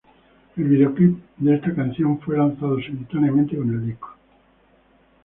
El videoclip de esta canción fue lanzado simultáneamente con el disco.